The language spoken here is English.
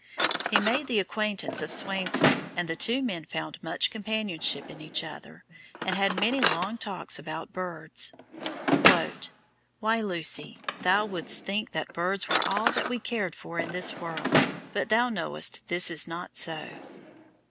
He made the acquaintance of Swainson, and the two men found much companionship in each other, and had many long talks about birds: "Why, Lucy, thou wouldst think that birds were all that we cared for in this world, but thou knowest this is not so."